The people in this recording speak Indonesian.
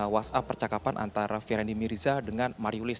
dan juga dari percakapan antara feryandi mirza dengan mariulis